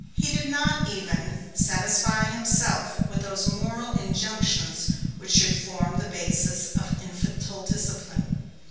He did not, even, satisfy himself with those moral injunctions which should form the basis of infantile discipline.